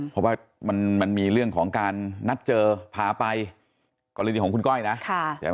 เพราะว่ามันมีเรื่องของการนัดเจอพาไปกรณีของคุณก้อยนะใช่ไหม